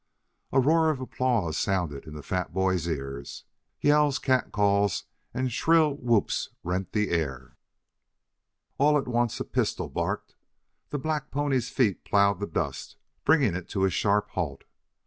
A roar of applause sounded in the fat boy's ears. Yells, cat calls and shrill whoops rent the air. All at once a pistol barked, the black pony's feet plowed the dust, bringing it to a sharp halt.